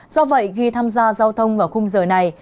do vậy khi tham gia giao thông vào khung giờ này